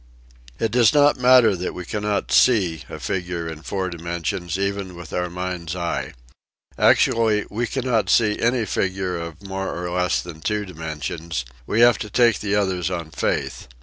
It does not matter that we cannot " see " a figure in four dimensions even with our mind's eye. Actually we cannot see any figure of more or less than two dimensions: we have to take the others on faith.